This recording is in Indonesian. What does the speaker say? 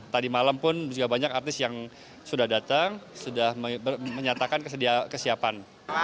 tadi malam pun juga banyak artis yang sudah datang sudah menyatakan kesiapan